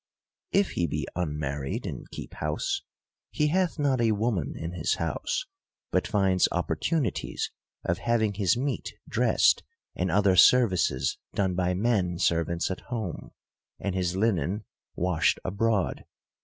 If he be unmarried, and keep house, he hath not a woman in his house ; but finds opportunities of having his meat dressed and other services done by men ser vants at home, and his linen washed abroad.